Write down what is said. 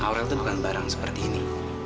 orang itu bukan barang seperti ini